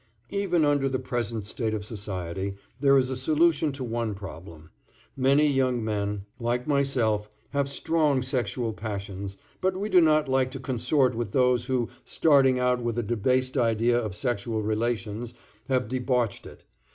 Even under the present state of society, there is a solution to one problem. Many young men, like myself, have strong sexual passions, but we do not like to consort with those who, starting out with a debased idea of sexual relations, have debauched it.